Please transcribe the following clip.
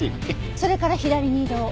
それから左に移動。